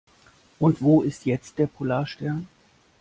Und wo ist jetzt der Polarstern?